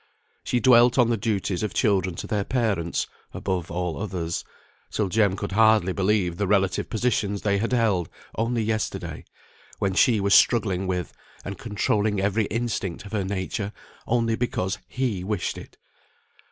She dwelt on the duties of children to their parents (above all others), till Jem could hardly believe the relative positions they had held only yesterday, when she was struggling with and controlling every instinct of her nature, only because he wished it.